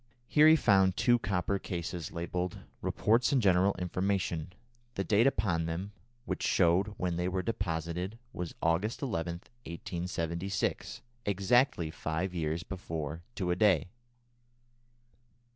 Here he found two copper cases labelled "Reports and General Information." The date upon them, which showed when they were deposited, was August 11, 1876, exactly five years before to a day.